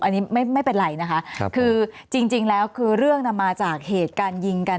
อันนี้ไม่เป็นไรนะคะคือจริงแล้วคือเรื่องมาจากเหตุการณ์ยิงกัน